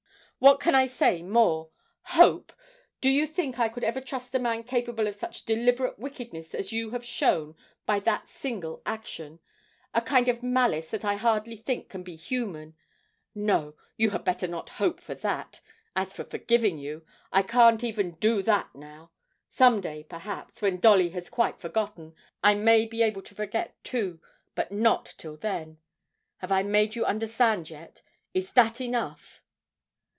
What can I say more? Hope! do you think I could ever trust a man capable of such deliberate wickedness as you have shown by that single action? a kind of malice that I hardly think can be human. No, you had better not hope for that. As for forgiving you, I can't even do that now; some day, perhaps, when Dolly has quite forgotten, I may be able to forget too, but not till then. Have I made you understand yet? Is that enough?'